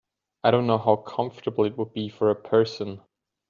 I don’t know how comfortable it would be for a person.